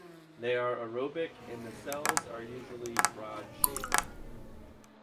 They are aerobic, and the cells are usually rod-shaped.